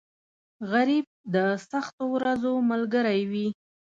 غریب د سختو ورځو ملګری وي